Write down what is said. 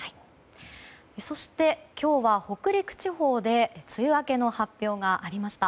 そして、今日は北陸地方で梅雨明けの発表がありました。